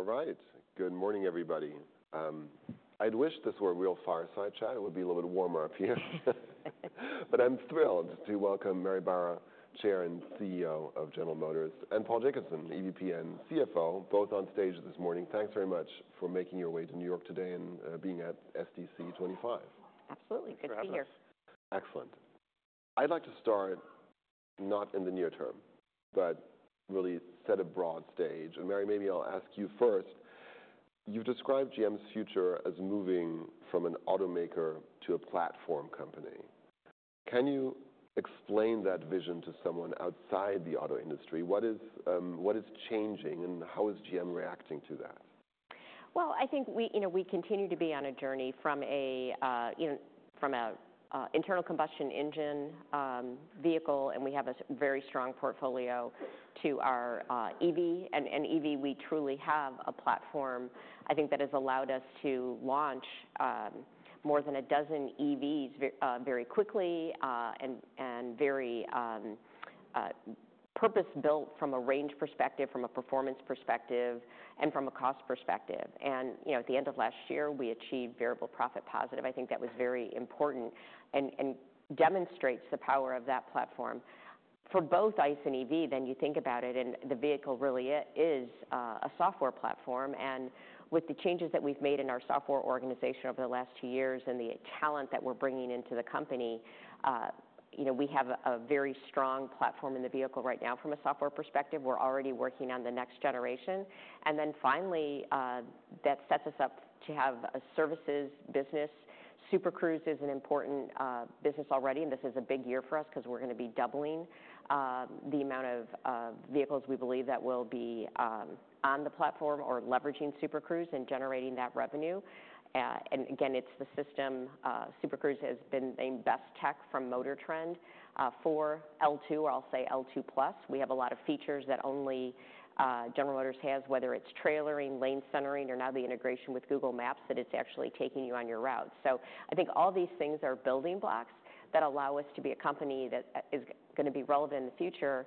All right. Good morning, everybody. I'd wish this were a real fireside chat. It would be a little bit warmer up here. But I'm thrilled to welcome Mary Barra, Chair and CEO of General Motors, and Paul Jacobson, EVP and CFO, both on stage this morning. Thanks very much for making your way to New York today and being at SDC25. Absolutely. Good to be here. Excellent. I'd like to start not in the near term, but really set a broad stage. Mary, maybe I'll ask you first. You've described GM's future as moving from an automaker to a platform company. Can you explain that vision to someone outside the auto industry? What is, what is changing, and how is GM reacting to that? I think we, you know, we continue to be on a journey from a, you know, from a internal combustion engine vehicle, and we have a very strong portfolio, to our EV. And EV, we truly have a platform, I think, that has allowed us to launch more than a dozen EVs very quickly, and very purpose-built from a range perspective, from a performance perspective, and from a cost perspective. You know, at the end of last year, we achieved variable profit positive. I think that was very important and demonstrates the power of that platform. For both ICE and EV, then you think about it, and the vehicle really is a software platform. With the changes that we've made in our software organization over the last two years and the talent that we're bringing into the company, you know, we have a very strong platform in the vehicle right now. From a software perspective, we're already working on the next generation. Finally, that sets us up to have a services business. Super Cruise is an important business already, and this is a big year for us 'cause we're gonna be doubling the amount of vehicles we believe that will be on the platform or leveraging Super Cruise and generating that revenue. Again, it's the system. Super Cruise has been the best tech from MotorTrend for L2, or I'll say L2 Plus. We have a lot of features that only General Motors has, whether it's trailering, lane centering, or now the integration with Google Maps, that it's actually taking you on your route. I think all these things are building blocks that allow us to be a company that is gonna be relevant in the future,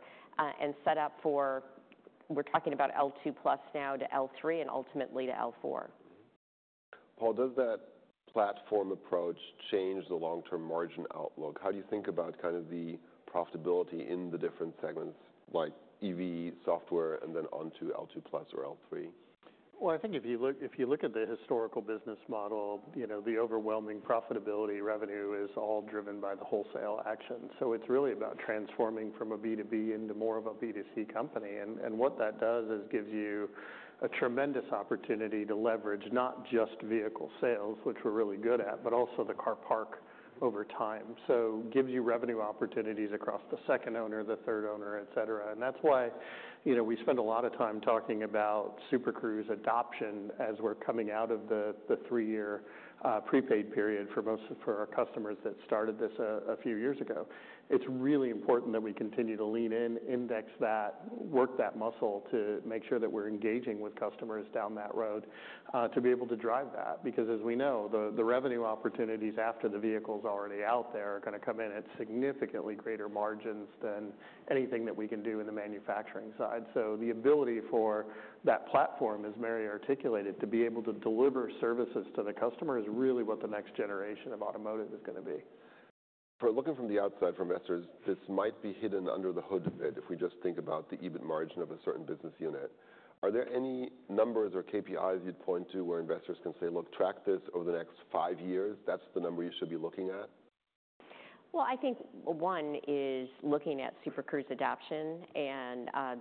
and set up for we're talking about L2 Plus now to L3 and ultimately to L4. Paul, does that platform approach change the long-term margin outlook? How do you think about kind of the profitability in the different segments, like EV, software, and then onto L2 Plus or L3? I think if you look at the historical business model, you know, the overwhelming profitability revenue is all driven by the wholesale action. It is really about transforming from a B2B into more of a B2C company. What that does is gives you a tremendous opportunity to leverage not just vehicle sales, which we're really good at, but also the car park over time. It gives you revenue opportunities across the second owner, the third owner, etc. That is why, you know, we spend a lot of time talking about Super Cruise adoption as we're coming out of the three-year, prepaid period for most of our customers that started this a few years ago. It's really important that we continue to lean in, index that, work that muscle to make sure that we're engaging with customers down that road, to be able to drive that. Because as we know, the revenue opportunities after the vehicle's already out there are gonna come in at significantly greater margins than anything that we can do in the manufacturing side. The ability for that platform, as Mary articulated, to be able to deliver services to the customer is really what the next generation of automotive is gonna be. For looking from the outside for investors, this might be hidden under the hood a bit if we just think about the EBIT margin of a certain business unit. Are there any numbers or KPIs you'd point to where investors can say, "Look, track this over the next five years"? That's the number you should be looking at? I think one is looking at Super Cruise adoption.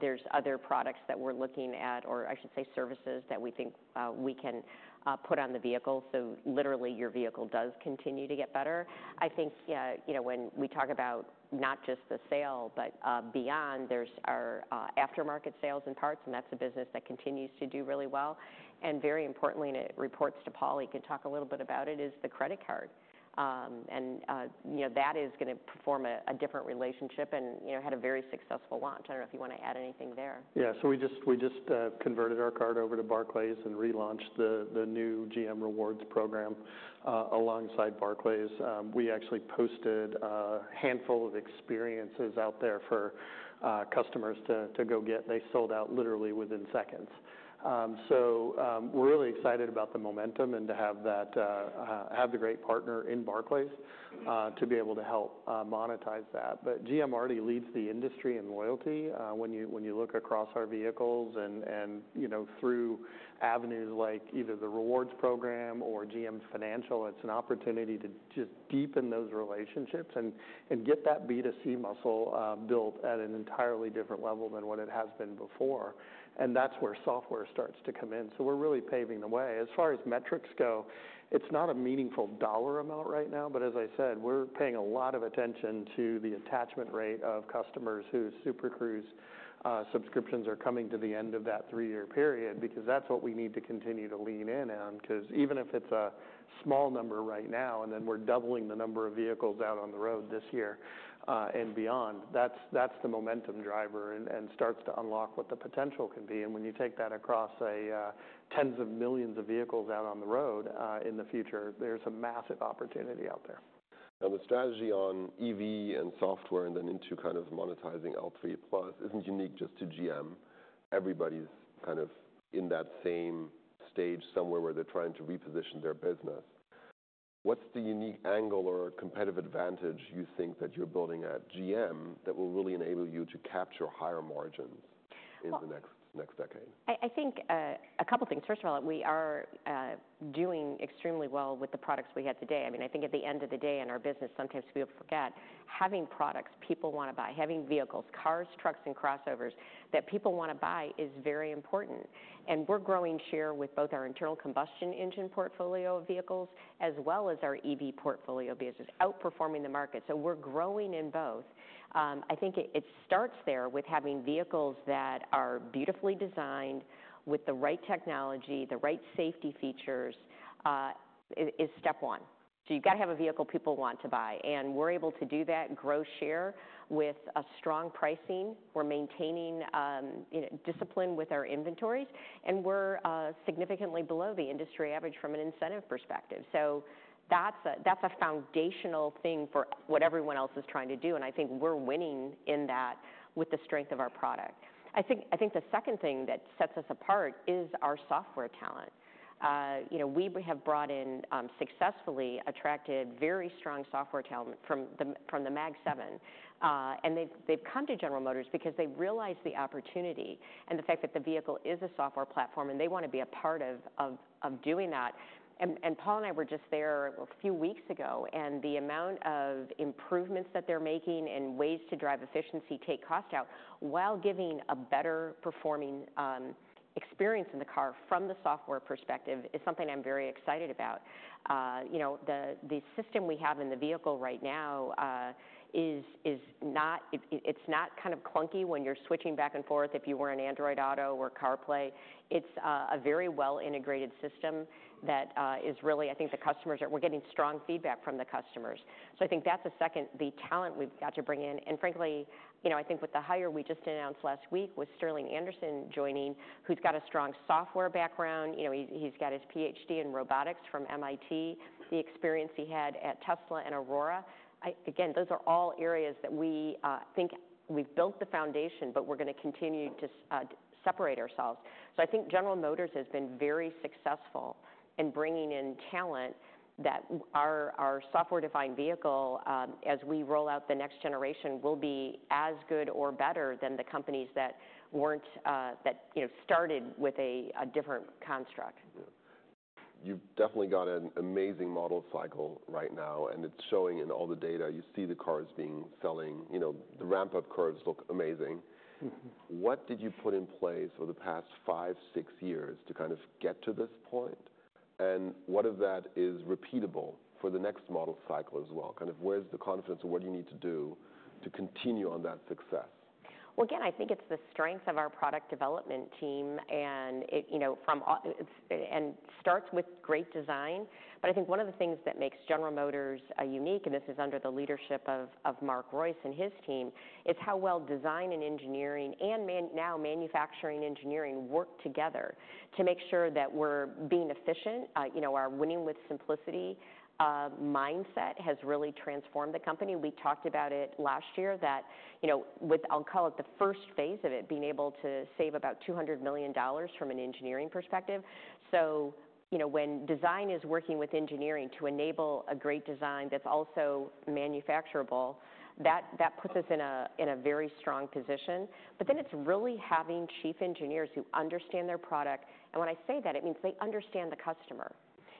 There are other products that we're looking at, or I should say services, that we think we can put on the vehicle so literally your vehicle does continue to get better. I think, you know, when we talk about not just the sale, but beyond, there's our aftermarket sales and parts, and that's a business that continues to do really well. Very importantly, and it reports to Paul, he could talk a little bit about it, is the credit card. You know, that is gonna perform a different relationship and, you know, had a very successful launch. I don't know if you wanna add anything there. Yeah. We just converted our card over to Barclays and relaunched the new GM Rewards program, alongside Barclays. We actually posted a handful of experiences out there for customers to go get. They sold out literally within seconds. We are really excited about the momentum and to have that, have the great partner in Barclays, to be able to help monetize that. GM already leads the industry in loyalty. When you look across our vehicles and, you know, through avenues like either the Rewards program or GM's Financial, it is an opportunity to just deepen those relationships and get that B2C muscle built at an entirely different level than what it has been before. That is where software starts to come in. We are really paving the way. As far as metrics go, it's not a meaningful dollar amount right now, but as I said, we're paying a lot of attention to the attachment rate of customers whose Super Cruise subscriptions are coming to the end of that three-year period because that's what we need to continue to lean in on. 'Cause even if it's a small number right now, we're doubling the number of vehicles out on the road this year and beyond, that's the momentum driver and starts to unlock what the potential can be. When you take that across tens of millions of vehicles out on the road in the future, there's a massive opportunity out there. The strategy on EV and software and then into kind of monetizing L3 Plus isn't unique just to GM. Everybody's kind of in that same stage somewhere where they're trying to reposition their business. What's the unique angle or competitive advantage you think that you're building at GM that will really enable you to capture higher margins in the next, next decade? I think a couple things. First of all, we are doing extremely well with the products we have today. I mean, I think at the end of the day in our business, sometimes people forget, having products people want to buy, having vehicles, cars, trucks, and crossovers that people want to buy is very important. We are growing share with both our internal combustion engine portfolio of vehicles as well as our EV portfolio business, outperforming the market. We are growing in both. I think it starts there with having vehicles that are beautifully designed with the right technology, the right safety features, is step one. You have got to have a vehicle people want to buy. We are able to do that, grow share with strong pricing. We are maintaining, you know, discipline with our inventories, and we are significantly below the industry average from an incentive perspective. That's a foundational thing for what everyone else is trying to do. I think we're winning in that with the strength of our product. I think the second thing that sets us apart is our software talent. You know, we have brought in, successfully attracted very strong software talent from the MAG 7. They've come to General Motors because they've realized the opportunity and the fact that the vehicle is a software platform and they want to be a part of doing that. Paul and I were just there a few weeks ago, and the amount of improvements that they're making and ways to drive efficiency, take cost out while giving a better performing experience in the car from the software perspective is something I'm very excited about. You know, the system we have in the vehicle right now is not, it's not kind of clunky when you're switching back and forth if you were in Android Auto or CarPlay. It's a very well-integrated system that is really, I think, the customers are, we're getting strong feedback from the customers. I think that's a second, the talent we've got to bring in. And frankly, you know, I think with the hire we just announced last week with Sterling Anderson joining, who's got a strong software background, you know, he's got his PhD in robotics from MIT, the experience he had at Tesla and Aurora. I, again, those are all areas that we think we've built the foundation, but we're gonna continue to separate ourselves. I think General Motors has been very successful in bringing in talent that our software-defined vehicle, as we roll out the next generation, will be as good or better than the companies that, you know, started with a different construct. Yeah. You've definitely got an amazing model cycle right now, and it's showing in all the data. You see the cars being selling. You know, the ramp-up curves look amazing. What did you put in place over the past five, six years to kind of get to this point? And what of that is repeatable for the next model cycle as well? Kind of where's the confidence or what do you need to do to continue on that success? I think it's the strength of our product development team. It starts with great design. I think one of the things that makes General Motors unique, and this is under the leadership of Mark Reuss and his team, is how well design and engineering and now manufacturing engineering work together to make sure that we're being efficient. You know, our winning with simplicity mindset has really transformed the company. We talked about it last year that, you know, with I'll call it the first phase of it, being able to save about $200 million from an engineering perspective. You know, when design is working with engineering to enable a great design that's also manufacturable, that puts us in a very strong position. Then it's really having chief engineers who understand their product. When I say that, it means they understand the customer.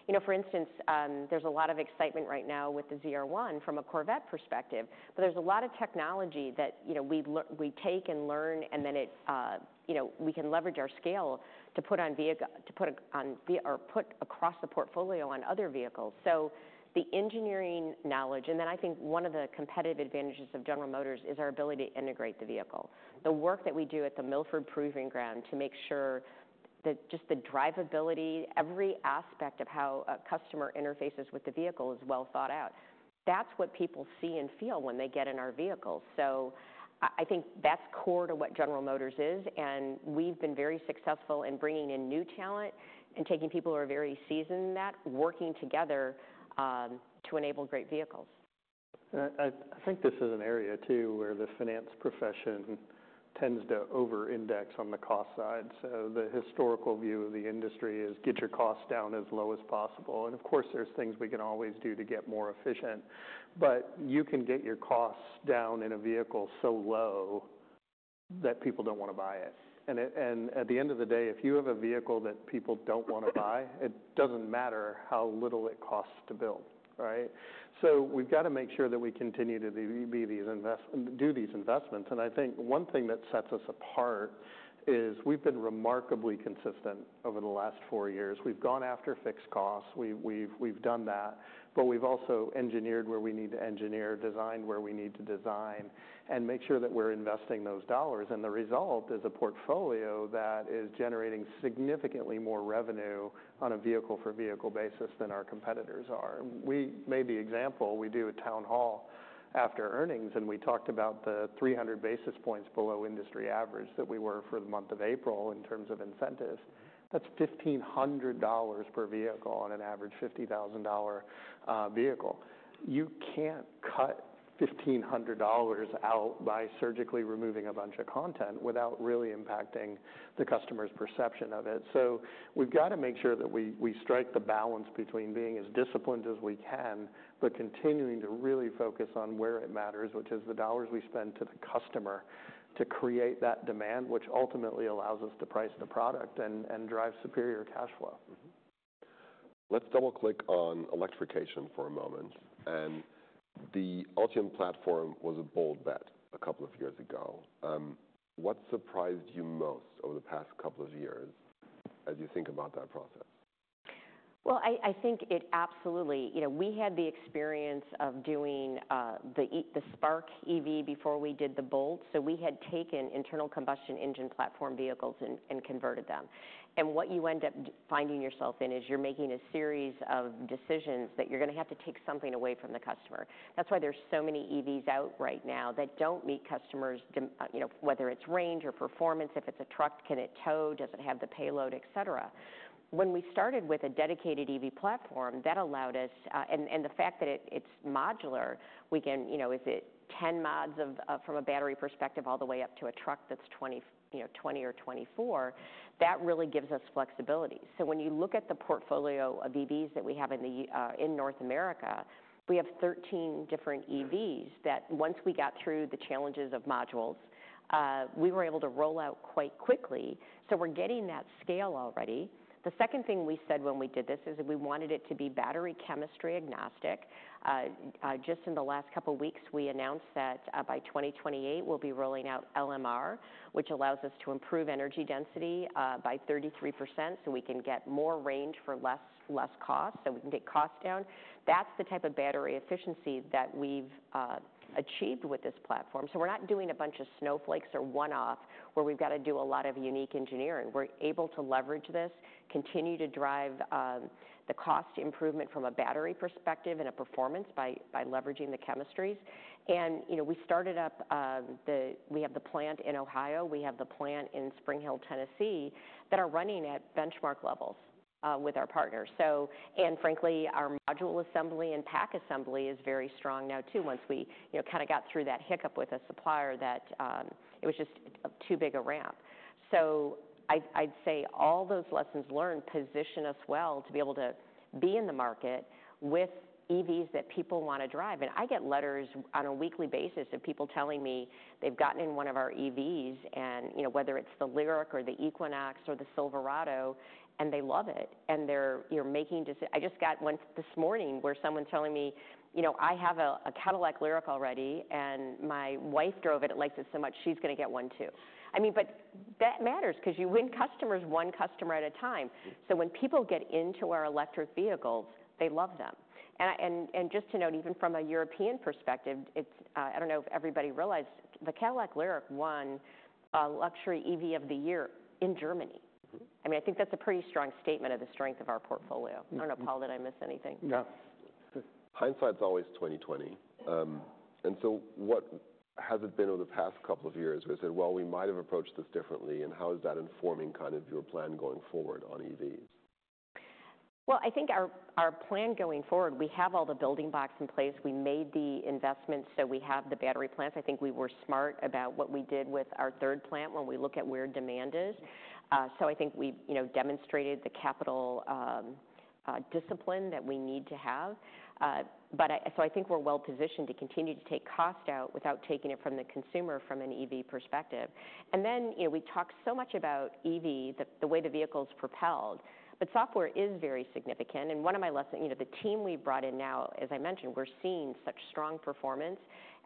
You know, for instance, there's a lot of excitement right now with the ZR1 from a Corvette perspective, but there's a lot of technology that, you know, we take and learn, and then we can leverage our scale to put across the portfolio on other vehicles. The engineering knowledge, and then I think one of the competitive advantages of General Motors is our ability to integrate the vehicle. The work that we do at the Milford Proving Ground to make sure that just the drivability, every aspect of how a customer interfaces with the vehicle is well thought out. That's what people see and feel when they get in our vehicles. I think that's core to what General Motors is. We have been very successful in bringing in new talent and taking people who are very seasoned in that, working together, to enable great vehicles. I think this is an area too where the finance profession tends to over-index on the cost side. The historical view of the industry is get your cost down as low as possible. Of course, there are things we can always do to get more efficient, but you can get your costs down in a vehicle so low that people do not want to buy it. At the end of the day, if you have a vehicle that people do not want to buy, it does not matter how little it costs to build, right? We have to make sure that we continue to do these investments. I think one thing that sets us apart is we have been remarkably consistent over the last four years. We have gone after fixed costs. We've done that, but we've also engineered where we need to engineer, designed where we need to design, and make sure that we're investing those dollars. The result is a portfolio that is generating significantly more revenue on a vehicle-for-vehicle basis than our competitors are. We made the example, we do a town hall after earnings, and we talked about the 300 basis points below industry average that we were for the month of April in terms of incentives. That's $1,500 per vehicle on an average $50,000 vehicle. You can't cut $1,500 out by surgically removing a bunch of content without really impacting the customer's perception of it. We've got to make sure that we strike the balance between being as disciplined as we can but continuing to really focus on where it matters, which is the dollars we spend to the customer to create that demand, which ultimately allows us to price the product and drive superior cash flow. Let's double-click on electrification for a moment. And the Ultium Platform was a bold bet a couple of years ago. What surprised you most over the past couple of years as you think about that process? I think it absolutely, you know, we had the experience of doing the Spark EV before we did the Bolt. We had taken internal combustion engine platform vehicles and converted them. What you end up finding yourself in is you're making a series of decisions that you're gonna have to take something away from the customer. That's why there's so many EVs out right now that don't meet customer's dem, you know, whether it's range or performance, if it's a truck, can it tow, does it have the payload, etc. When we started with a dedicated EV platform, that allowed us, and the fact that it's modular, we can, you know, is it 10 mods from a battery perspective all the way up to a truck that's 20, you know, 20 or 24, that really gives us flexibility. When you look at the portfolio of EVs that we have in North America, we have 13 different EVs that once we got through the challenges of modules, we were able to roll out quite quickly. We're getting that scale already. The second thing we said when we did this is we wanted it to be battery chemistry agnostic. Just in the last couple weeks, we announced that by 2028, we'll be rolling out LMR, which allows us to improve energy density by 33% so we can get more range for less, less cost so we can get cost down. That's the type of battery efficiency that we've achieved with this platform. We're not doing a bunch of snowflakes or one-off where we've got to do a lot of unique engineering. We're able to leverage this, continue to drive the cost improvement from a battery perspective and a performance by, by leveraging the chemistries. And, you know, we started up, we have the plant in Ohio, we have the plant in Spring Hill, Tennessee that are running at benchmark levels, with our partners. So, and frankly, our module assembly and pack assembly is very strong now too once we, you know, kinda got through that hiccup with a supplier that, it was just too big a ramp. I'd say all those lessons learned position us well to be able to be in the market with EVs that people wanna drive. I get letters on a weekly basis of people telling me they've gotten in one of our EVs and, you know, whether it's the Lyriq or the Equinox or the Silverado, and they love it. They're making decisions. I just got one this morning where someone's telling me, you know, "I have a Cadillac Lyriq already, and my wife drove it. She likes it so much she's gonna get one too." That matters because you win customers one customer at a time. When people get into our electric vehicles, they love them. Just to note, even from a European perspective, I do not know if everybody realized the Cadillac Lyriq won a luxury EV of the year in Germany. I think that's a pretty strong statement of the strength of our portfolio. I do not know, Paul, did I miss anything? No. Hindsight's always 20/20. What has it been over the past couple of years? Was it, "We might've approached this differently," and how is that informing kind of your plan going forward on EVs? I think our plan going forward, we have all the building blocks in place. We made the investments so we have the battery plants. I think we were smart about what we did with our third plant when we look at where demand is. I think we demonstrated the capital discipline that we need to have. I think we're well-positioned to continue to take cost out without taking it from the consumer from an EV perspective. You know, we talk so much about EV, the way the vehicle's propelled, but software is very significant. One of my lessons, you know, the team we brought in now, as I mentioned, we're seeing such strong performance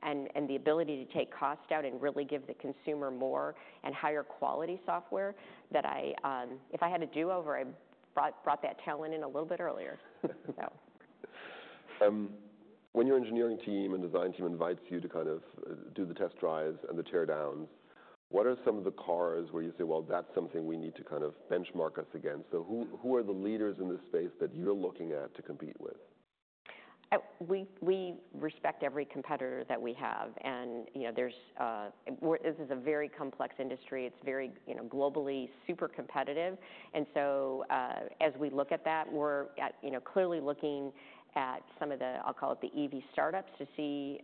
and the ability to take cost out and really give the consumer more and higher quality software that I, if I had a do-over, I brought that talent in a little bit earlier. When your engineering team and design team invites you to kind of do the test drives and the tear-downs, what are some of the cars where you say, "Well, that's something we need to kind of benchmark us against"? Who are the leaders in this space that you're looking at to compete with? We respect every competitor that we have. You know, this is a very complex industry. It's very, you know, globally super competitive. As we look at that, we're clearly looking at some of the, I'll call it the EV startups to see,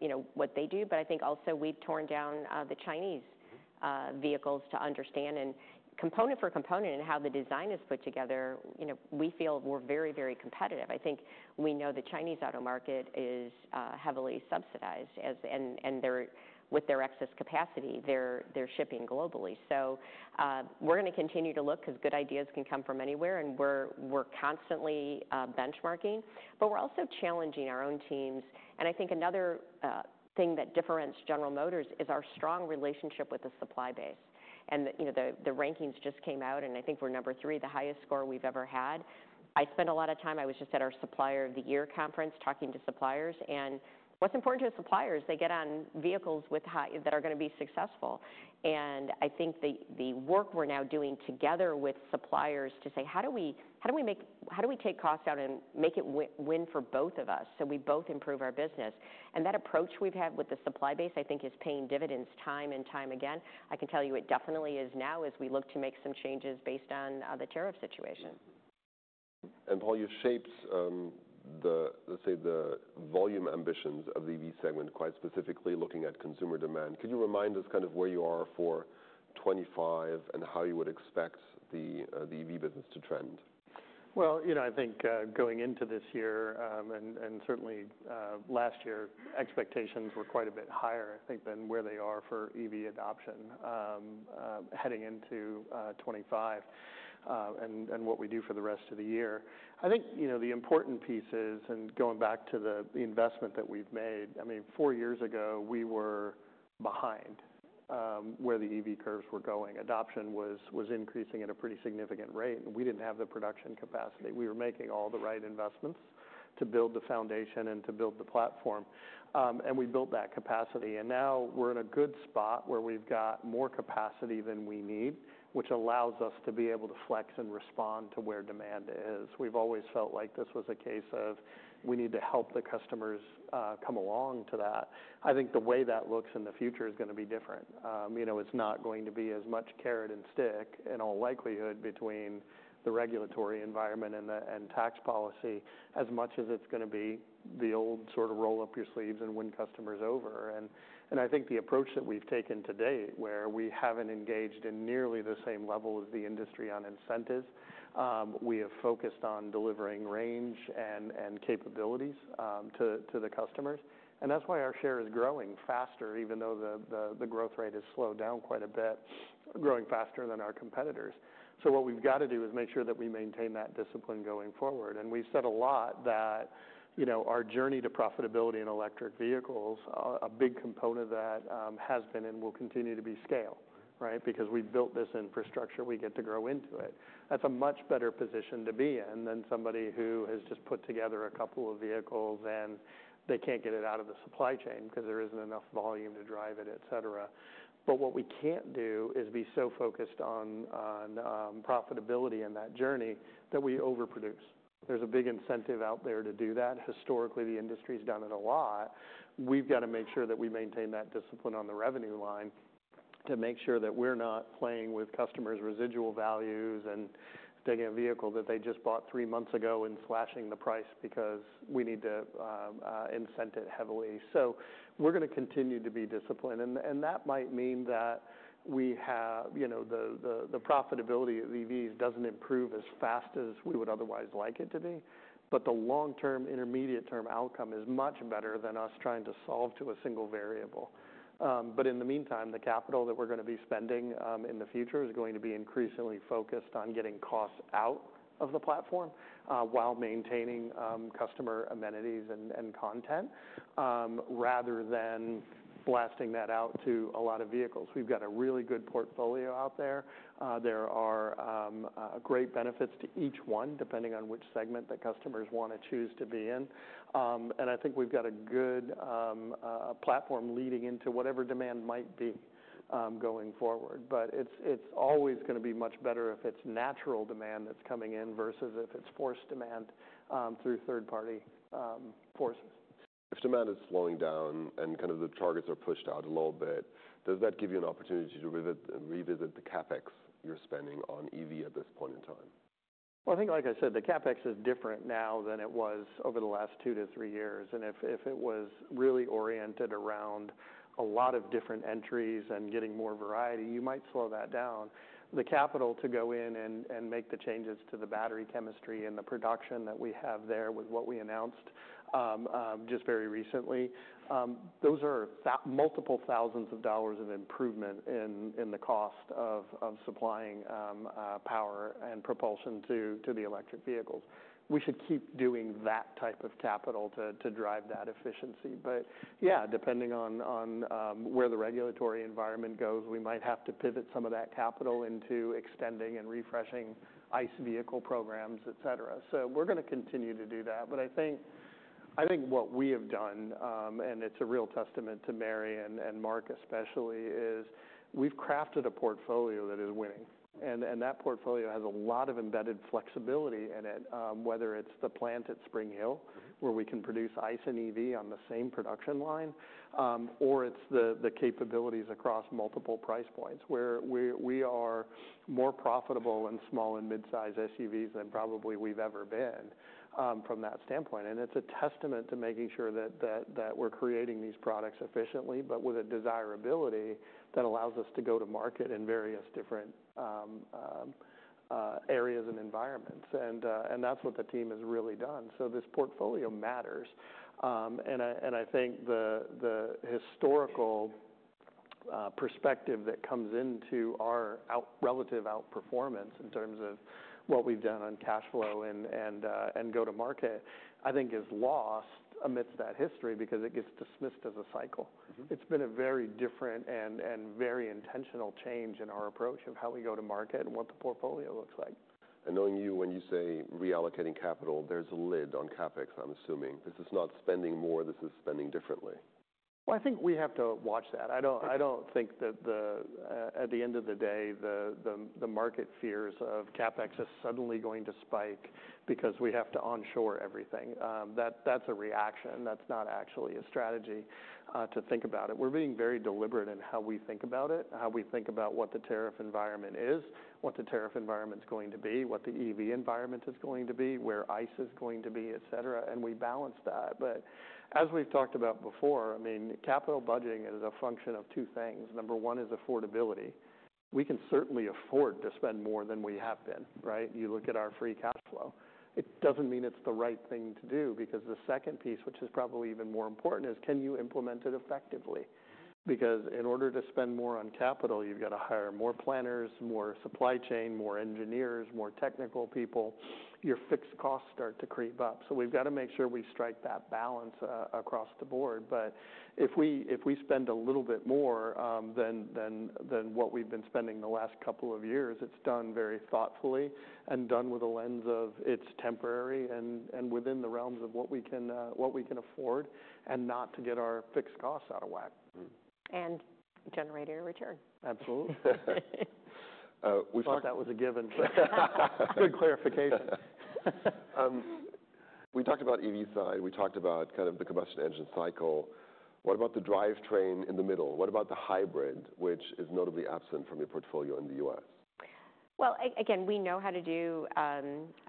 you know, what they do. I think also we've torn down the Chinese vehicles to understand, component for component, and how the design is put together. You know, we feel we're very, very competitive. I think we know the Chinese auto market is heavily subsidized, and with their excess capacity, they're shipping globally. We're gonna continue to look 'cause good ideas can come from anywhere. We're constantly benchmarking, but we're also challenging our own teams. I think another thing that differentiates General Motors is our strong relationship with the supply base. The rankings just came out, and I think we're number three, the highest score we've ever had. I spent a lot of time, I was just at our Supplier of the Year conference talking to suppliers. What's important to suppliers is they get on vehicles that are gonna be successful. I think the work we're now doing together with suppliers to say, "How do we, how do we make, how do we take cost out and make it win-win for both of us so we both improve our business?" That approach we've had with the supply base, I think, is paying dividends time and time again. I can tell you it definitely is now as we look to make some changes based on the tariff situation. Paul, you've shaped, the, let's say, the volume ambitions of the EV segment, quite specifically looking at consumer demand. Could you remind us kind of where you are for 2025 and how you would expect the, the EV business to trend? You know, I think, going into this year, and certainly last year, expectations were quite a bit higher, I think, than where they are for EV adoption, heading into 2025, and what we do for the rest of the year. I think, you know, the important piece is, and going back to the investment that we've made, I mean, four years ago, we were behind where the EV curves were going. Adoption was increasing at a pretty significant rate. We did not have the production capacity. We were making all the right investments to build the foundation and to build the platform, and we built that capacity. Now we are in a good spot where we have more capacity than we need, which allows us to be able to flex and respond to where demand is. We've always felt like this was a case of we need to help the customers come along to that. I think the way that looks in the future is gonna be different. You know, it's not going to be as much carrot and stick in all likelihood between the regulatory environment and the tax policy as much as it's gonna be the old sort of roll up your sleeves and win customers over. I think the approach that we've taken to date where we haven't engaged in nearly the same level as the industry on incentives, we have focused on delivering range and capabilities to the customers. That's why our share is growing faster, even though the growth rate has slowed down quite a bit, growing faster than our competitors. What we've gotta do is make sure that we maintain that discipline going forward. We've said a lot that, you know, our journey to profitability in electric vehicles, a big component of that, has been and will continue to be scale, right? Because we've built this infrastructure, we get to grow into it. That's a much better position to be in than somebody who has just put together a couple of vehicles and they can't get it out of the supply chain 'cause there isn't enough volume to drive it, etc. What we can't do is be so focused on profitability in that journey that we overproduce. There's a big incentive out there to do that. Historically, the industry's done it a lot. We've gotta make sure that we maintain that discipline on the revenue line to make sure that we're not playing with customers' residual values and taking a vehicle that they just bought three months ago and slashing the price because we need to incent it heavily. We're gonna continue to be disciplined. That might mean that the profitability of EVs doesn't improve as fast as we would otherwise like it to be, but the long-term, intermediate-term outcome is much better than us trying to solve to a single variable. In the meantime, the capital that we're gonna be spending in the future is going to be increasingly focused on getting cost out of the platform, while maintaining customer amenities and content, rather than blasting that out to a lot of vehicles. We've got a really good portfolio out there. There are great benefits to each one depending on which segment that customers wanna choose to be in. I think we've got a good platform leading into whatever demand might be going forward. It's always gonna be much better if it's natural demand that's coming in versus if it's forced demand through third-party forces. If demand is slowing down and kind of the targets are pushed out a little bit, does that give you an opportunity to revisit the CapEx you're spending on EV at this point in time? I think, like I said, the CapEx is different now than it was over the last two to three years. If it was really oriented around a lot of different entries and getting more variety, you might slow that down. The capital to go in and make the changes to the battery chemistry and the production that we have there with what we announced just very recently, those are the multiple thousands of dollars of improvement in the cost of supplying power and propulsion to the electric vehicles. We should keep doing that type of capital to drive that efficiency. Yeah, depending on where the regulatory environment goes, we might have to pivot some of that capital into extending and refreshing ICE vehicle programs, etc. We're gonna continue to do that. I think what we have done, and it's a real testament to Mary and Mark especially, is we've crafted a portfolio that is winning. That portfolio has a lot of embedded flexibility in it, whether it's the plant at Spring Hill where we can produce ICE and EV on the same production line, or it's the capabilities across multiple price points where we are more profitable in small and mid-size SUVs than probably we've ever been, from that standpoint. It's a testament to making sure that we're creating these products efficiently but with a desirability that allows us to go to market in various different areas and environments. That's what the team has really done. This portfolio matters. I think the historical perspective that comes into our relative outperformance in terms of what we've done on cash flow and go-to-market, I think is lost amidst that history because it gets dismissed as a cycle. It's been a very different and very intentional change in our approach of how we go to market and what the portfolio looks like. Knowing you, when you say reallocating capital, there's a lid on CapEx, I'm assuming. This is not spending more; this is spending differently. I think we have to watch that. I don't, I don't think that at the end of the day, the market fears of CapEx is suddenly going to spike because we have to onshore everything. That, that's a reaction. That's not actually a strategy, to think about it. We're being very deliberate in how we think about it, how we think about what the tariff environment is, what the tariff environment's going to be, what the EV environment is going to be, where ICE is going to be, etc. We balance that. As we've talked about before, I mean, capital budgeting is a function of two things. Number one is affordability. We can certainly afford to spend more than we have been, right? You look at our free cash flow. It doesn't mean it's the right thing to do because the second piece, which is probably even more important, is can you implement it effectively? Because in order to spend more on capital, you've gotta hire more planners, more supply chain, more engineers, more technical people. Your fixed costs start to creep up. We've gotta make sure we strike that balance, across the board. If we spend a little bit more than what we've been spending the last couple of years, it's done very thoughtfully and done with a lens of it's temporary and within the realms of what we can afford and not to get our fixed costs out of whack. Generate a return. Absolutely. We thought that was a given, but good clarification. We talked about EV side. We talked about kind of the combustion engine cycle. What about the drivetrain in the middle? What about the hybrid, which is notably absent from your portfolio in the U.S.? Again, we know how to do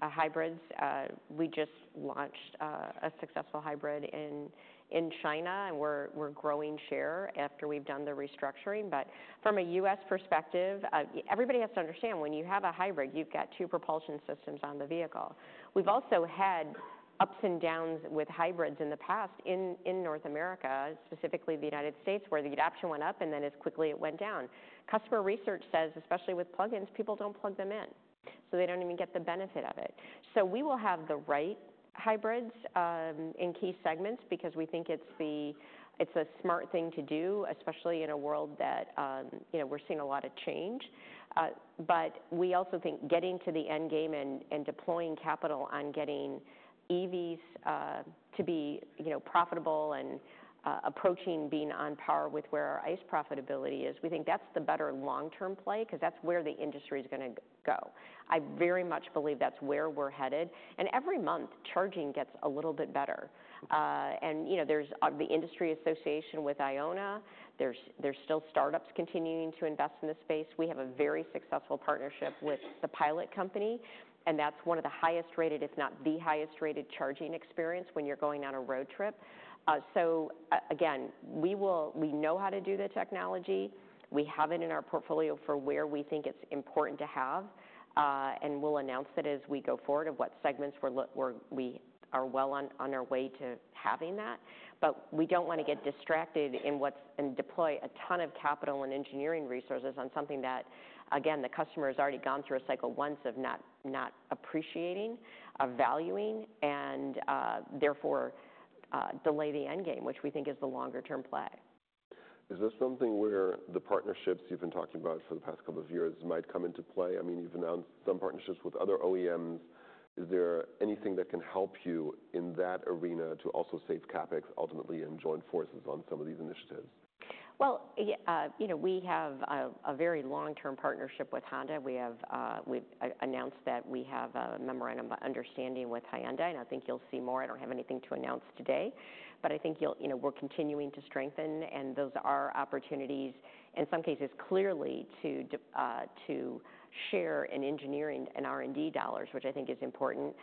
hybrids. We just launched a successful hybrid in China, and we're growing share after we've done the restructuring. From a U.S. perspective, everybody has to understand when you have a hybrid, you've got two propulsion systems on the vehicle. We've also had ups and downs with hybrids in the past in North America, specifically the United States, where the adoption went up and then as quickly it went down. Customer research says, especially with plug-ins, people do not plug them in, so they do not even get the benefit of it. We will have the right hybrids in key segments because we think it is a smart thing to do, especially in a world that, you know, we're seeing a lot of change. We also think getting to the end game and deploying capital on getting EVs to be, you know, profitable and approaching being on par with where our ICE profitability is, we think that's the better long-term play 'cause that's where the industry's gonna go. I very much believe that's where we're headed. Every month, charging gets a little bit better, and, you know, there's the industry association with IONNA. There are still startups continuing to invest in this space. We have a very successful partnership with the Pilot Company, and that's one of the highest-rated, if not the highest-rated, charging experiences when you're going on a road trip. Again, we know how to do the technology. We have it in our portfolio for where we think it's important to have. We'll announce that as we go forward of what segments we're well on our way to having that. We do not want to get distracted and deploy a ton of capital and engineering resources on something that, again, the customer has already gone through a cycle once of not appreciating, of valuing, and, therefore, delay the end game, which we think is the longer-term play. Is this something where the partnerships you've been talking about for the past couple of years might come into play? I mean, you've announced some partnerships with other OEMs. Is there anything that can help you in that arena to also save CapEx ultimately and join forces on some of these initiatives? You know, we have a very long-term partnership with Honda. We have announced that we have a memorandum of understanding with Hyundai, and I think you'll see more. I don't have anything to announce today, but I think you'll, you know, we're continuing to strengthen, and those are opportunities in some cases clearly to share in engineering and R&D dollars, which I think is important.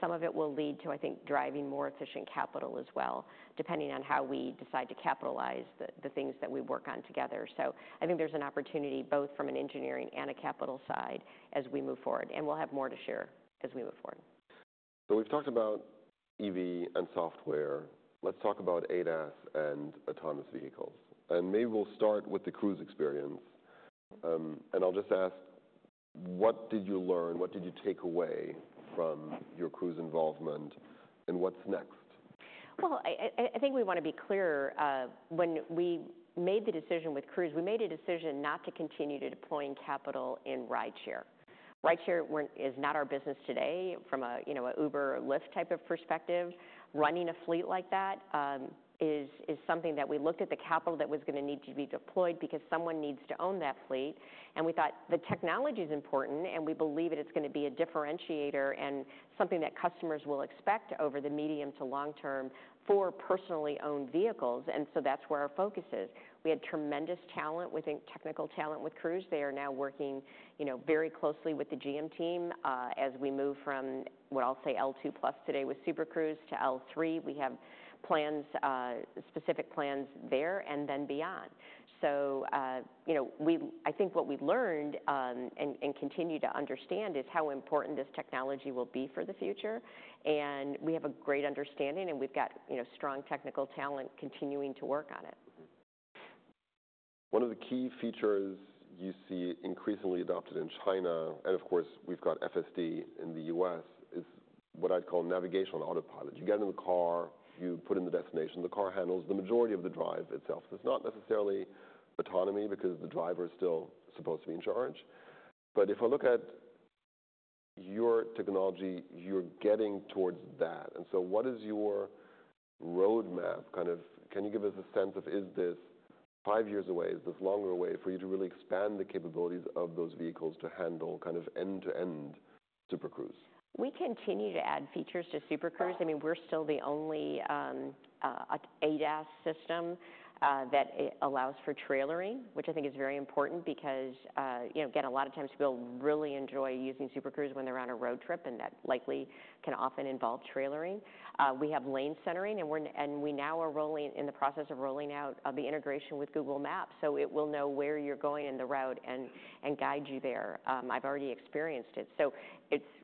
Some of it will lead to, I think, driving more efficient capital as well, depending on how we decide to capitalize the things that we work on together. I think there's an opportunity both from an engineering and a capital side as we move forward. We'll have more to share as we move forward. We have talked about EV and software. Let's talk about ADAS and autonomous vehicles. Maybe we will start with the cruise experience. I will just ask, what did you learn? What did you take away from your cruise involvement, and what is next? I think we wanna be clear, when we made the decision with Cruise, we made a decision not to continue to deploy capital in Rideshare. Rideshare is not our business today from a, you know, a Uber or Lyft type of perspective. Running a fleet like that is something that we looked at, the capital that was gonna need to be deployed because someone needs to own that fleet. We thought the technology's important, and we believe that it's gonna be a differentiator and something that customers will expect over the medium to long-term for personally-owned vehicles. That is where our focus is. We had tremendous technical talent with Cruise. They are now working, you know, very closely with the GM team, as we move from what I'll say L2 plus today with Super Cruise to L3. We have plans, specific plans there and then beyond. You know, I think what we've learned, and continue to understand, is how important this technology will be for the future. We have a great understanding, and we've got strong technical talent continuing to work on it. One of the key features you see increasingly adopted in China, and of course, we've got FSD in the U.S., is what I'd call navigational autopilot. You get in the car, you put in the destination, the car handles the majority of the drive itself. There's not necessarily autonomy because the driver's still supposed to be in charge. If I look at your technology, you're getting towards that. What is your roadmap? Can you give us a sense of is this five years away? Is this longer away for you to really expand the capabilities of those vehicles to handle kind of end-to-end Super Cruise? We continue to add features to Super Cruise. I mean, we're still the only ADAS system that allows for trailering, which I think is very important because, you know, again, a lot of times people really enjoy using Super Cruise when they're on a road trip, and that likely can often involve trailering. We have lane centering, and we now are in the process of rolling out the integration with Google Maps so it will know where you're going in the route and guide you there. I've already experienced it.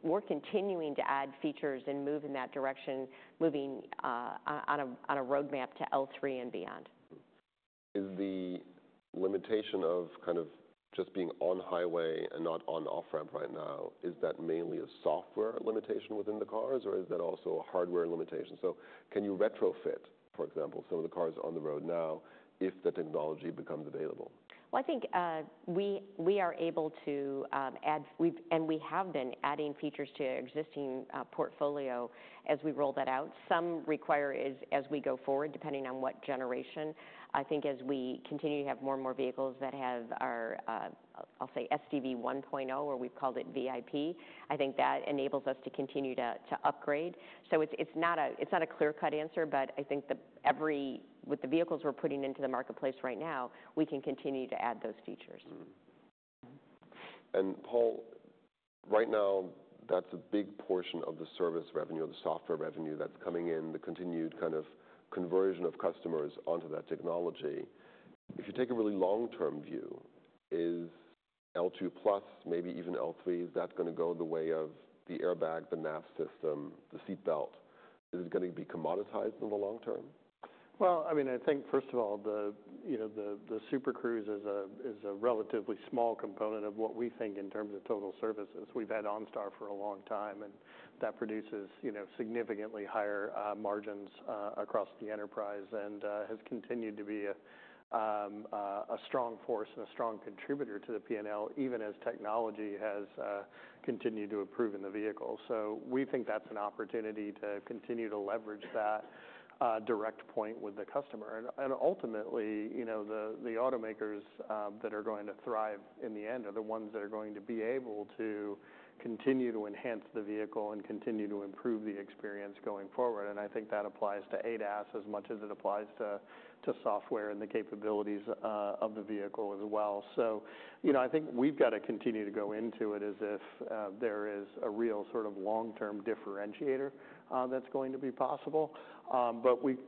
We're continuing to add features and move in that direction, moving on a roadmap to L3 and beyond. Is the limitation of kind of just being on highway and not on off-ramp right now, is that mainly a software limitation within the cars, or is that also a hardware limitation? Can you retrofit, for example, some of the cars on the road now if the technology becomes available? I think we are able to add, we've been adding features to existing portfolio as we roll that out. Some require, as we go forward, depending on what generation. I think as we continue to have more and more vehicles that have our, I'll say SDV 1.0, or we've called it VIP, I think that enables us to continue to upgrade. It's not a clear-cut answer, but I think with the vehicles we're putting into the marketplace right now, we can continue to add those features. Paul, right now, that's a big portion of the service revenue or the software revenue that's coming in, the continued kind of conversion of customers onto that technology. If you take a really long-term view, is L2 Plus, maybe even L3, is that gonna go the way of the airbag, the NAS system, the seatbelt? Is it gonna be commoditized in the long term? I mean, I think first of all, the Super Cruise is a relatively small component of what we think in terms of total services. We've had OnStar for a long time, and that produces significantly higher margins across the enterprise and has continued to be a strong force and a strong contributor to the P&L, even as technology has continued to improve in the vehicle. We think that's an opportunity to continue to leverage that direct point with the customer. Ultimately, you know, the automakers that are going to thrive in the end are the ones that are going to be able to continue to enhance the vehicle and continue to improve the experience going forward. I think that applies to ADAS as much as it applies to, to software and the capabilities of the vehicle as well. You know, I think we've gotta continue to go into it as if there is a real sort of long-term differentiator that's going to be possible.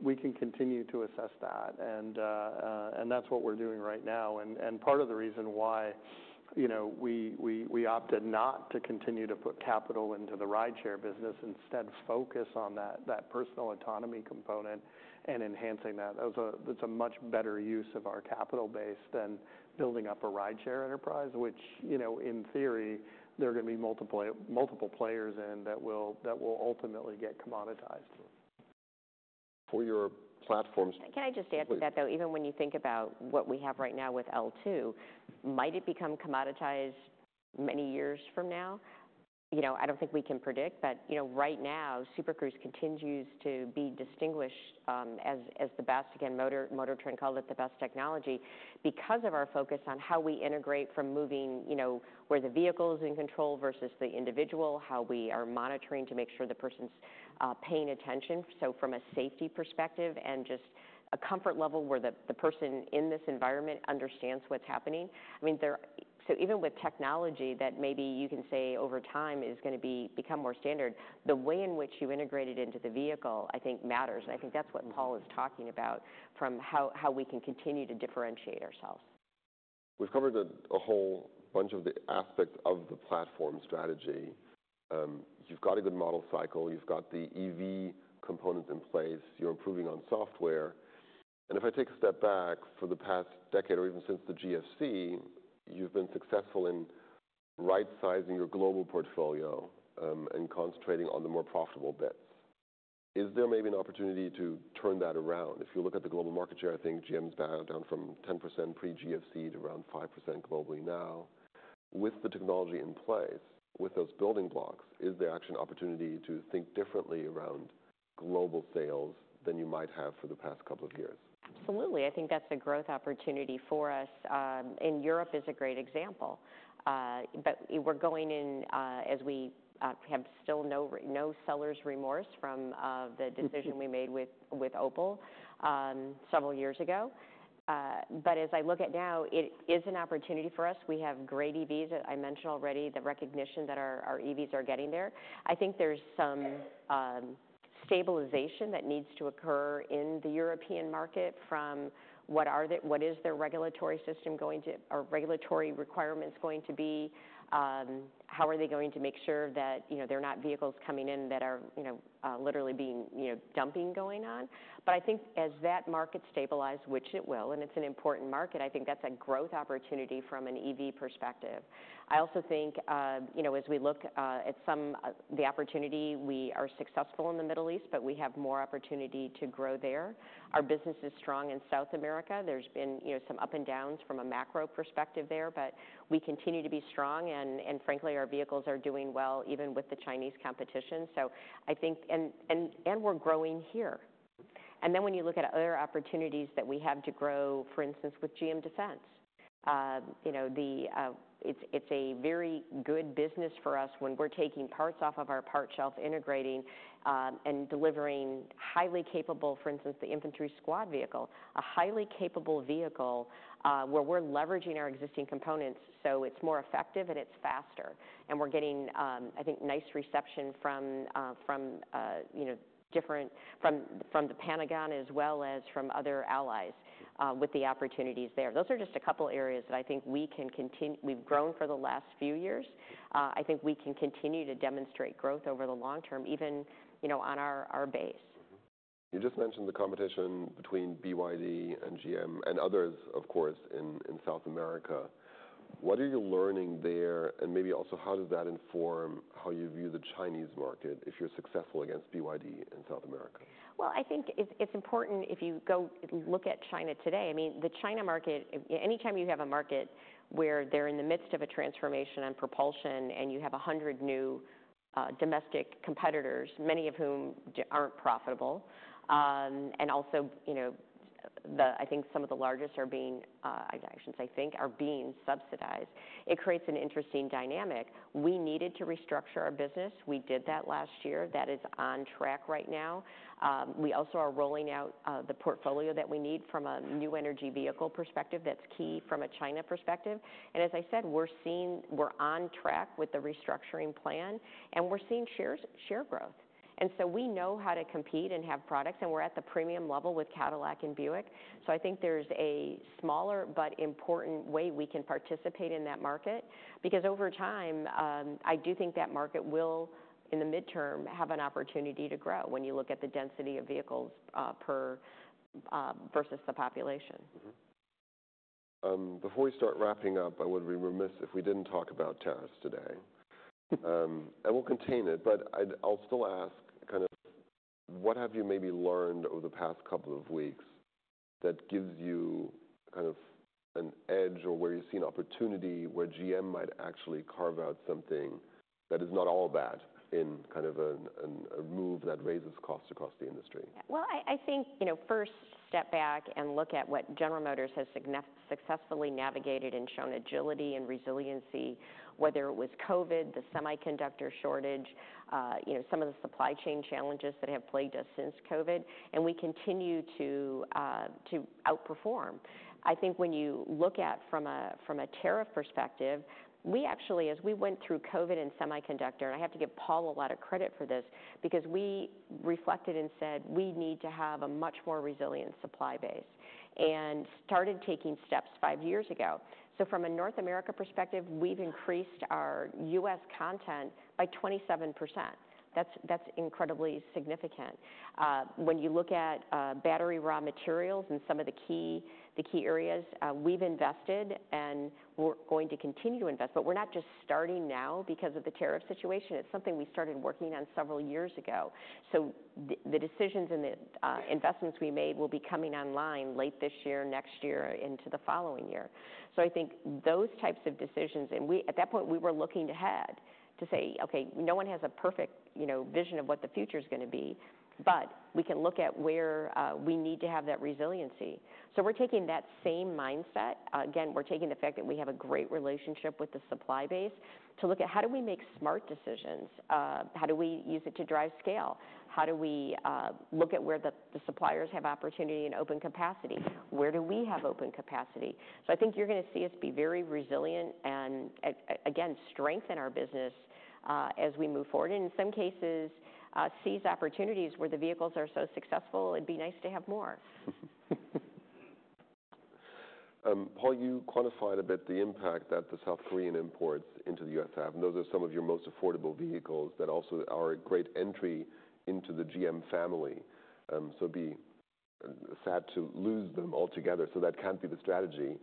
We can continue to assess that, and that's what we're doing right now. Part of the reason why, you know, we opted not to continue to put capital into the rideshare business, instead focus on that personal autonomy component and enhancing that. That was a much better use of our capital base than building up a rideshare enterprise, which, you know, in theory, there are gonna be multiple players in that that will ultimately get commoditized. For your platforms. Can I just add to that though? Even when you think about what we have right now with L2, might it become commoditized many years from now? You know, I do not think we can predict, but, you know, right now, Super Cruise continues to be distinguished as the best. Again, MotorTrend called it the best technology because of our focus on how we integrate from moving, you know, where the vehicle's in control versus the individual, how we are monitoring to make sure the person's paying attention. From a safety perspective and just a comfort level where the person in this environment understands what's happening. I mean, even with technology that maybe you can say over time is gonna become more standard, the way in which you integrate it into the vehicle, I think matters. I think that's what Paul is talking about from how, how we can continue to differentiate ourselves. We've covered a whole bunch of the aspects of the platform strategy. You've got a good model cycle. You've got the EV components in place. You're improving on software. If I take a step back, for the past decade or even since the GFC, you've been successful in right-sizing your global portfolio and concentrating on the more profitable bets. Is there maybe an opportunity to turn that around? If you look at the global market share, I think GM's bowed down from 10% pre-GFC to around 5% globally now. With the technology in place, with those building blocks, is there actually an opportunity to think differently around global sales than you might have for the past couple of years? Absolutely. I think that's a growth opportunity for us. Europe is a great example. We're going in, as we have still no sellers' remorse from the decision we made with Opel several years ago. As I look at it now, it is an opportunity for us. We have great EVs, I mentioned already, the recognition that our EVs are getting there. I think there's some stabilization that needs to occur in the European market from what are the, what is their regulatory system going to, or regulatory requirements going to be? How are they going to make sure that, you know, they're not vehicles coming in that are, you know, literally being, you know, dumping going on? I think as that market stabilizes, which it will, and it's an important market, I think that's a growth opportunity from an EV perspective. I also think, you know, as we look at some, the opportunity, we are successful in the Middle East, but we have more opportunity to grow there. Our business is strong in South America. There's been, you know, some up and downs from a macro perspective there, but we continue to be strong. And, frankly, our vehicles are doing well even with the Chinese competition. I think, and we're growing here. When you look at other opportunities that we have to grow, for instance, with GM Defense, you know, it's a very good business for us when we're taking parts off of our part shelf, integrating, and delivering highly capable, for instance, the Infantry Squad Vehicle, a highly capable vehicle, where we're leveraging our existing components so it's more effective and it's faster. We're getting, I think, nice reception from, you know, different, from the Pentagon as well as from other allies, with the opportunities there. Those are just a couple areas that I think we can continue. We've grown for the last few years. I think we can continue to demonstrate growth over the long term, even, you know, on our base. You just mentioned the competition between BYD and GM and others, of course, in South America. What are you learning there? Maybe also, how does that inform how you view the Chinese market if you're successful against BYD in South America? I think it's important if you go look at China today. I mean, the China market, anytime you have a market where they're in the midst of a transformation on propulsion and you have a hundred new, domestic competitors, many of whom aren't profitable, and also, you know, I think some of the largest are being, I shouldn't say think, are being subsidized, it creates an interesting dynamic. We needed to restructure our business. We did that last year. That is on track right now. We also are rolling out the portfolio that we need from a new energy vehicle perspective that's key from a China perspective. As I said, we're seeing we're on track with the restructuring plan, and we're seeing share growth. We know how to compete and have products, and we're at the premium level with Cadillac and Buick. I think there's a smaller but important way we can participate in that market because over time, I do think that market will, in the midterm, have an opportunity to grow when you look at the density of vehicles versus the population. Before we start wrapping up, I would be remiss if we did not talk about tariffs today. We will contain it, but I will still ask, what have you maybe learned over the past couple of weeks that gives you an edge or where you have seen opportunity where GM might actually carve out something that is not all bad in a move that raises costs across the industry? I think, you know, first step back and look at what General Motors has successfully navigated and shown agility and resiliency, whether it was COVID, the semiconductor shortage, you know, some of the supply chain challenges that have plagued us since COVID, and we continue to outperform. I think when you look at from a tariff perspective, we actually, as we went through COVID and semiconductor, and I have to give Paul a lot of credit for this because we reflected and said we need to have a much more resilient supply base and started taking steps five years ago. From a North America perspective, we've increased our US content by 27%. That's incredibly significant. When you look at battery raw materials and some of the key areas, we've invested and we're going to continue to invest, but we're not just starting now because of the tariff situation. It's something we started working on several years ago. The decisions and the investments we made will be coming online late this year, next year, into the following year. I think those types of decisions, and at that point, we were looking ahead to say, okay, no one has a perfect, you know, vision of what the future's gonna be, but we can look at where we need to have that resiliency. We're taking that same mindset. Again, we're taking the fact that we have a great relationship with the supply base to look at how do we make smart decisions, how do we use it to drive scale, how do we look at where the suppliers have opportunity and open capacity, where do we have open capacity. I think you're gonna see us be very resilient and, again, strengthen our business as we move forward. In some cases, seize opportunities where the vehicles are so successful, it'd be nice to have more. Paul, you quantified a bit the impact that the South Korean imports into the U.S. have, and those are some of your most affordable vehicles that also are a great entry into the GM family. It'd be sad to lose them altogether. That can't be the strategy.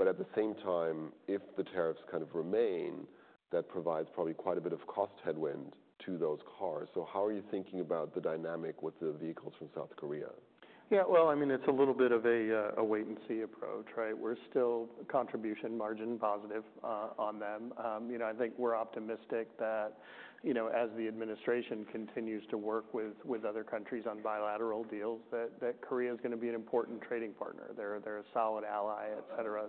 At the same time, if the tariffs kind of remain, that provides probably quite a bit of cost headwind to those cars. How are you thinking about the dynamic with the vehicles from South Korea? Yeah, I mean, it's a little bit of a wait-and-see approach, right? We're still contribution margin positive on them. You know, I think we're optimistic that, you know, as the administration continues to work with other countries on bilateral deals, that Korea's gonna be an important trading partner. They're a solid ally, et cetera.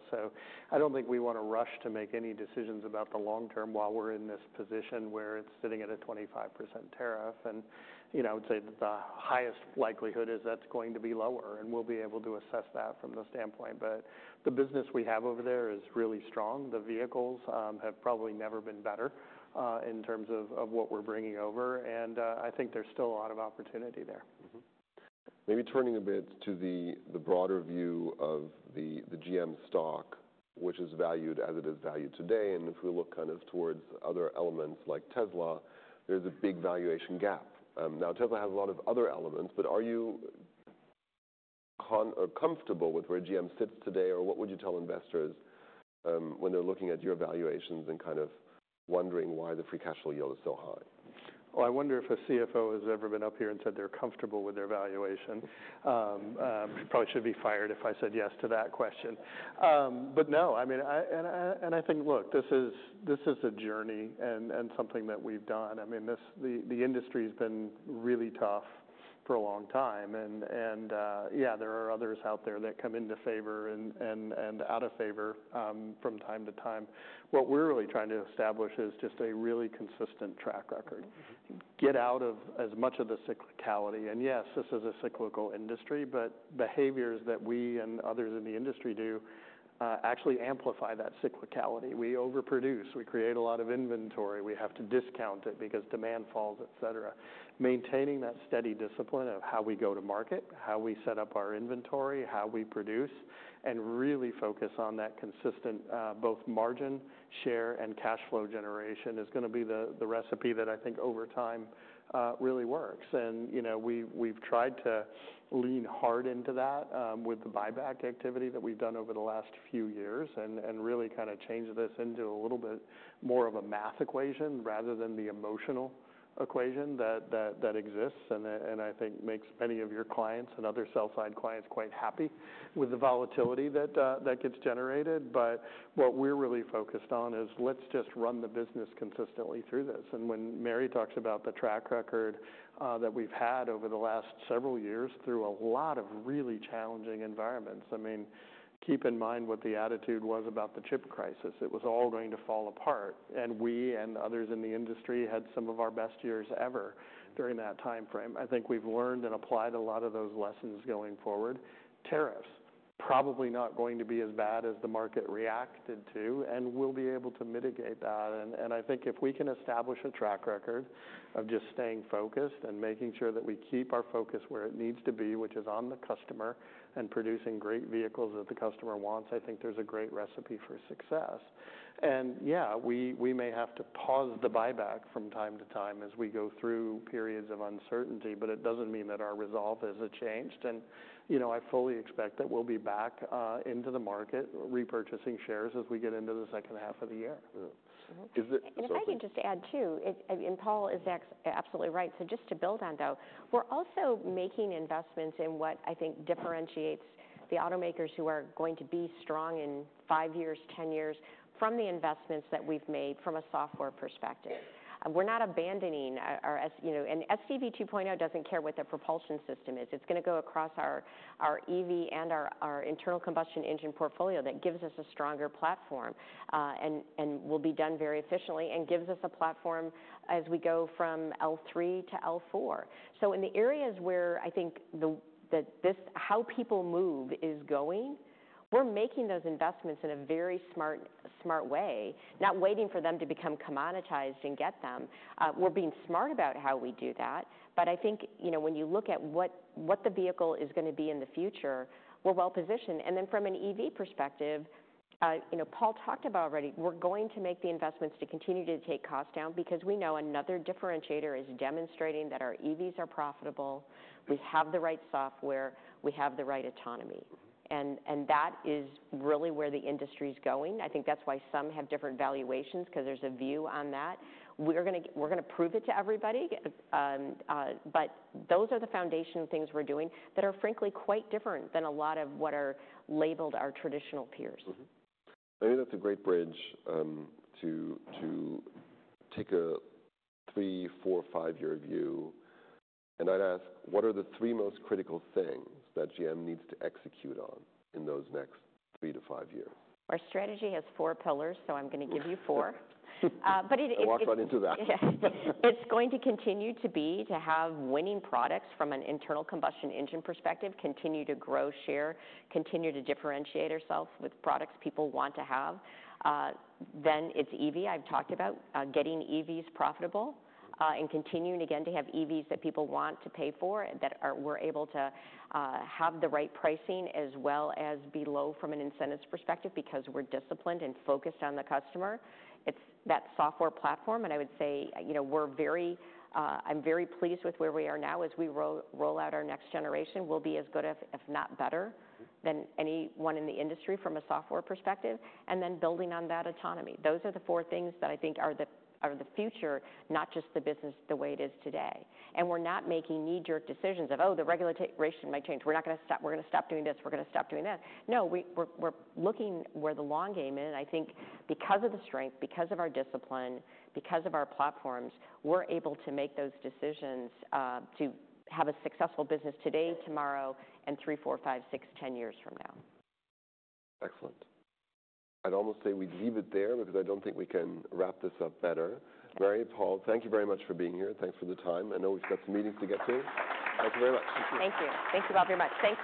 I don't think we wanna rush to make any decisions about the long term while we're in this position where it's sitting at a 25% tariff. You know, I would say that the highest likelihood is that's going to be lower, and we'll be able to assess that from the standpoint. The business we have over there is really strong. The vehicles have probably never been better, in terms of what we're bringing over. I think there's still a lot of opportunity there. Maybe turning a bit to the broader view of the GM stock, which is valued as it is valued today. If we look kind of towards other elements like Tesla, there's a big valuation gap. Now Tesla has a lot of other elements, but are you comfortable with where GM sits today, or what would you tell investors when they're looking at your valuations and kind of wondering why the free cash flow yield is so high? I wonder if a CFO has ever been up here and said they're comfortable with their valuation. Probably should be fired if I said yes to that question. No, I mean, I think this is a journey and something that we've done. The industry's been really tough for a long time. Yeah, there are others out there that come into favor and out of favor from time to time. What we're really trying to establish is just a really consistent track record. Get out of as much of the cyclicality. Yes, this is a cyclical industry, but behaviors that we and others in the industry do actually amplify that cyclicality. We overproduce. We create a lot of inventory. We have to discount it because demand falls, et cetera. Maintaining that steady discipline of how we go to market, how we set up our inventory, how we produce, and really focus on that consistent, both margin share and cash flow generation is gonna be the recipe that I think over time really works. You know, we've tried to lean hard into that, with the buyback activity that we've done over the last few years and really kind of changed this into a little bit more of a math equation rather than the emotional equation that exists. I think makes many of your clients and other sell-side clients quite happy with the volatility that gets generated. What we're really focused on is let's just run the business consistently through this. When Mary talks about the track record that we've had over the last several years through a lot of really challenging environments, I mean, keep in mind what the attitude was about the chip crisis. It was all going to fall apart. We and others in the industry had some of our best years ever during that timeframe. I think we've learned and applied a lot of those lessons going forward. Tariffs are probably not going to be as bad as the market reacted to, and we'll be able to mitigate that. I think if we can establish a track record of just staying focused and making sure that we keep our focus where it needs to be, which is on the customer and producing great vehicles that the customer wants, I think there's a great recipe for success. Yeah, we may have to pause the buyback from time to time as we go through periods of uncertainty, but it does not mean that our resolve is not changed. You know, I fully expect that we will be back into the market repurchasing shares as we get into the second half of the year. Is there something? If I can just add too, Paul is absolutely right. Just to build on, though, we're also making investments in what I think differentiates the automakers who are going to be strong in five years, ten years from the investments that we've made from a software perspective. We're not abandoning our S, you know, and SDV 2.0 doesn't care what the propulsion system is. It's gonna go across our EV and our internal combustion engine portfolio. That gives us a stronger platform and will be done very efficiently and gives us a platform as we go from L3 to L4. In the areas where I think this, how people move is going, we're making those investments in a very smart, smart way, not waiting for them to become commoditized and get them. We're being smart about how we do that. I think, you know, when you look at what the vehicle is gonna be in the future, we're well positioned. And then from an EV perspective, you know, Paul talked about already, we're going to make the investments to continue to take costs down because we know another differentiator is demonstrating that our EVs are profitable. We have the right software. We have the right autonomy. And that is really where the industry's going. I think that's why some have different valuations 'cause there's a view on that. We're gonna prove it to everybody. Those are the foundational things we're doing that are, frankly, quite different than a lot of what are labeled our traditional peers. Maybe that's a great bridge to take a three, four, five-year view. And I'd ask, what are the three most critical things that GM needs to execute on in those next three to five years? Our strategy has four pillars, so I'm gonna give you four. It, it. Walk right into that. It's going to continue to be to have winning products from an internal combustion engine perspective, continue to grow share, continue to differentiate ourselves with products people want to have. Then it's EV. I've talked about getting EVs profitable, and continuing again to have EVs that people want to pay for that are, we're able to have the right pricing as well as be low from an incentives perspective because we're disciplined and focused on the customer. It's that software platform. I would say, you know, we're very, I'm very pleased with where we are now as we roll out our next generation. We'll be as good, if not better than anyone in the industry from a software perspective. Then building on that autonomy. Those are the four things that I think are the future, not just the business the way it is today. We're not making knee-jerk decisions of, oh, the regulation might change. We're not gonna stop. We're gonna stop doing this. We're gonna stop doing that. No, we're looking where the long game is. I think because of the strength, because of our discipline, because of our platforms, we're able to make those decisions, to have a successful business today, tomorrow, and three, four, five, six, ten years from now. Excellent. I'd almost say we'd leave it there because I don't think we can wrap this up better. Mary, Paul, thank you very much for being here. Thanks for the time. I know we've got some meetings to get to. Thank you very much. Thank you. Thank you all very much. Thanks.